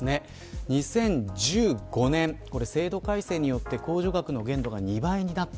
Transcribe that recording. ２０１５年、制度改正によって控除額の限度が２倍になった